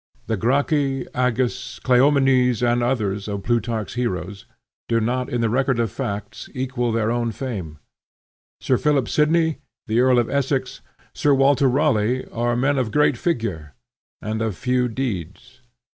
The Gracchi, Agis, Cleomenes, and others of Plutarch's heroes, do not in the record of facts equal their own fame. Sir Philip Sidney, the Earl of Essex, Sir Walter Raleigh, are men of great figure and of few deeds.